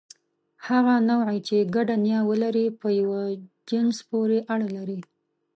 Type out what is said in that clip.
هغه نوعې، چې ګډه نیا ولري، په یوه جنس پورې اړه لري.